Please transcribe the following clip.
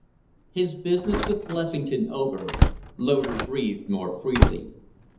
XVI His business with Blessington over, Loder breathed more freely.